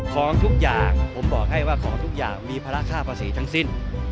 ของทุกอย่างผมบอกให้ว่าของทุกอย่างมีภาระค่าภาษีทั้งสิ้น